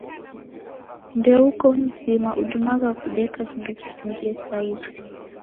Ndeuko mzima udimagha kudeka vindo visingie sa ivi.